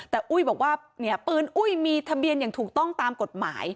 แต่อุ้ยบอกว่าเนี่ยปืนอุ้ยมีทะเบียนอย่างถูกต้องตามกฎหมาย